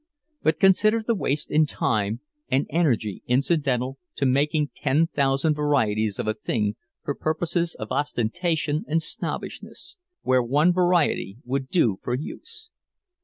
But consider the waste in time and energy incidental to making ten thousand varieties of a thing for purposes of ostentation and snobbishness, where one variety would do for use!